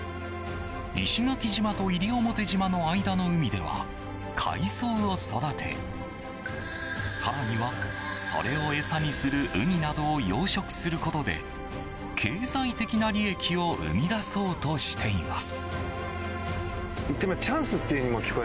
石垣島と西表島の間の海では海草を育て更には、それを餌にするウニなどを養殖することで経済的な利益を生み出そうとしています。